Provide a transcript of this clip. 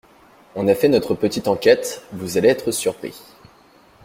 On a fait notre petite enquête, vous allez être surpris.